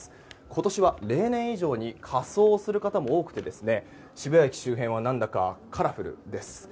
今年は例年以上に仮装をする方も多くて渋谷駅周辺はなんだかカラフルです。